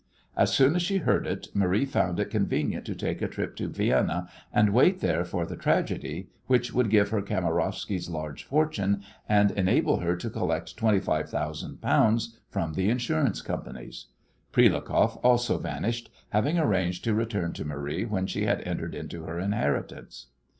As soon as she heard it Marie found it convenient to take a trip to Vienna and wait there for the tragedy which would give her Kamarowsky's large fortune and enable her to collect £25,000 from the insurance companies. Prilukoff also vanished, having arranged to return to Marie when she had entered into her inheritance.